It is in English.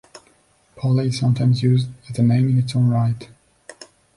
Polly is sometimes used as a name in its own right.